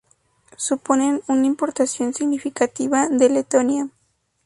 Suponen una importación significativa de Letonia.